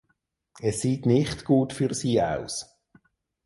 Es sieht nicht gut für sie aus.